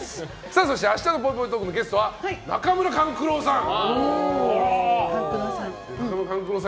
そして明日のぽいぽいトークのゲストは中村勘九郎さん。